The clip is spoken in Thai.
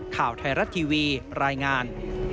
ข่าวไทยรัฐทีวีรายงาน